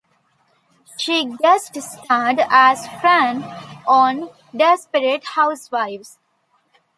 She guest-starred as Fran on "Desperate Housewives".